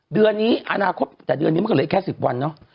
เดือนนี้อนาคตแต่เดือนนี้มันก็เหลืออีกแค่๑๐วันเนอะ